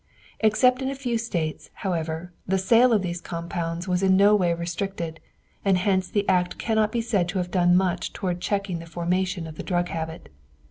Except in a few States, however, the sale of these compounds was in no way restricted, and hence the act cannot be said to have done much toward checking the formation of the drug habit.